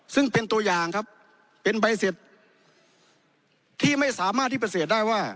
ซึ่งเป็นตัวอย่างครับเป็นใบเสร็จที่ไม่สามารถที่ปฏิเสธได้ว่า